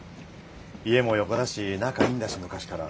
家も横だし仲いいんだし昔から。